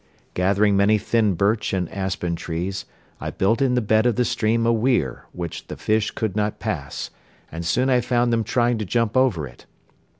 Gathering many thin birch and aspen trees I built in the bed of the stream a weir which the fish could not pass and soon I found them trying to jump over it.